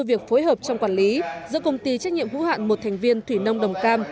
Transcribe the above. việc phối hợp trong quản lý giữa công ty trách nhiệm hữu hạn một thành viên thủy nông đồng cam